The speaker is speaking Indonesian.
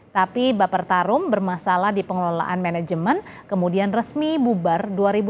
tapi baper tarum bermasalah di pengelolaan manajemen kemudian resmi bubar dua ribu dua puluh